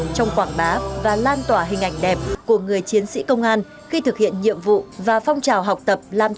trong quảng bá và lan tỏa hình ảnh đẹp của người chiến sĩ công an khi thực hiện nhiệm vụ và phong trào học tập làm